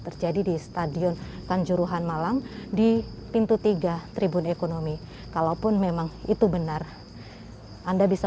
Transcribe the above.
terjadi di stadion kanjuruhan malang di pintu tiga tribun ekonomi kalaupun memang itu benar anda bisa